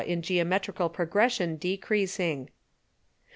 in Geometrical Progression decreasing.